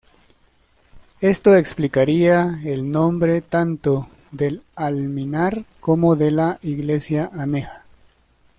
Esto explicaría el nombre tanto del alminar como de la iglesia aneja.